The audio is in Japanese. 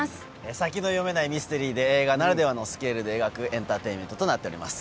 先の読めないミステリーで、映画ならではのスケールで描くエンターテイメントとなっています。